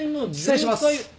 失礼します。